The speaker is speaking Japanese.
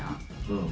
うん。